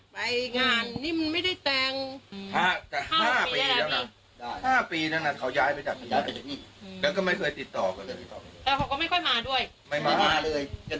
ไม่มาเลยจะดูสภาพบ้านก็รู้